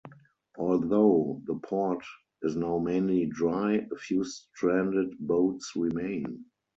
Although the port is now mainly dry, a few stranded boats remain.